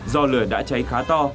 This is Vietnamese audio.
do lửa đã cháy khá to